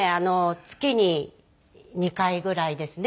月に２回ぐらいですね。